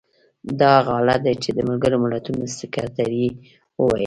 دا هغه حالت دی چې د ملګرو ملتونو سکتر یې وویل.